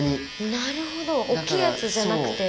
なるほど大っきいやつじゃなく。